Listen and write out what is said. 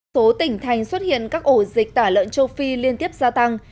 số tỉnh thành xuất hiện các ổ dịch tả lợn châu phi liên tiếp gia tăng